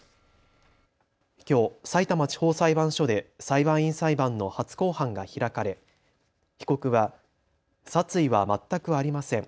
きょう、さいたま地方裁判所で裁判員裁判の初公判が開かれ被告は殺意は全くありません。